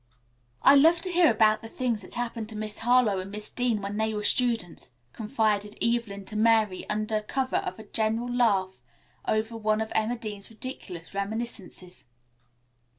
"I love to hear about the things that happened to Miss Harlowe and Miss Dean when they were students," confided Mary to Evelyn under cover of a general laugh over one of Emma Dean's ridiculous reminiscences.